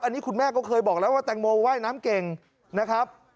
อันนี้คุณแม่ก็เคยบอกแล้วว่าแตงโมว่ายน้ำเก่งนะครับ